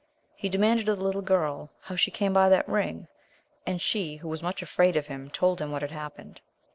He demanded of the little girl how she pame by that ring ; and she, who was much afraid of him, told him what had happened.